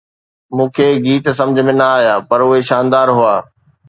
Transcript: مون کي گيت سمجهه ۾ نه آيا پر اهي شاندار هئا